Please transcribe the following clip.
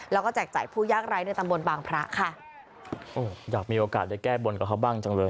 แล้วก็แจกจ่ายผู้ยากไร้ในตำบลบางพระค่ะโอ้อยากมีโอกาสได้แก้บนกับเขาบ้างจังเลย